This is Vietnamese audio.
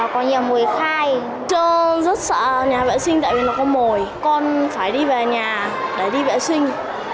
con phải đi về nhà để đi vệ sinh